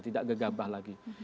tidak gegabah lagi